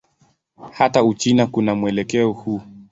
Hata Uchina kuna mwelekeo huu.